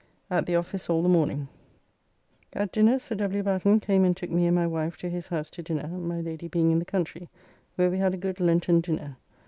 At the office all the morning. At dinner Sir W. Batten came and took me and my wife to his house to dinner, my Lady being in the country, where we had a good Lenten dinner.